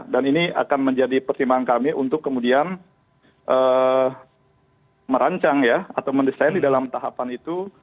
dan ini akan menjadi pertimbangan kami untuk kemudian merancang ya atau mendesain di dalam tahapan itu